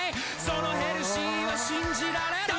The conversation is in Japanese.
そのヘルシーは信じられる？